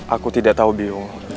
aku tidak tahu biung